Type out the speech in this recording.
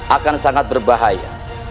akan sangat berbahaya